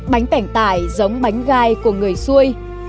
bánh bẻng tải giống bánh gai của người xuôi